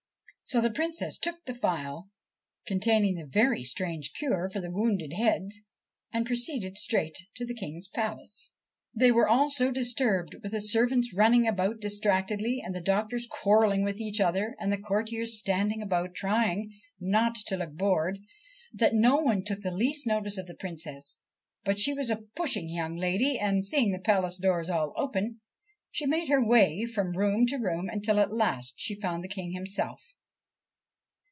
So the Princess took the phial containing the very strange cure for wounded heads, and proceeded straight to the King's palace. They were all so disturbed, with the servants running about distractedly, and the doctors quarrelling with each other, and the courtiers standing about trying not to look bored, that no one took the least notice of the Princess ; but she was a pushing young lady, and seeing the palace doors all open, she made her way from room to room until at last she found the King himself.